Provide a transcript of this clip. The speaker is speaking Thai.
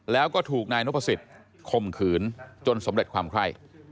แล้วก็ถูกนายนพสิทธิ์คมขืนจนสำเร็จความไข้